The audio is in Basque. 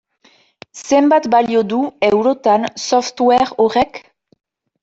Zenbat balio du, eurotan, software horrek?